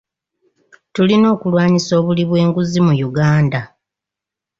Tulina okulwanyisa obuli bw'enguzi mu Uganda.